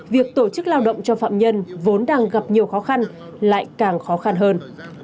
việc tổ chức lao động cho phạm nhân vốn đang gặp nhiều khó khăn lại càng khó khăn hơn